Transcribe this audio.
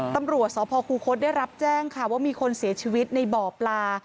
ตำรวจสพคูคศได้รับแจ้งค่ะว่ามีคนเสียชีวิตในบ่อปลา